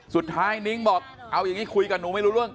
นิ้งบอกเอาอย่างนี้คุยกับหนูไม่รู้เรื่อง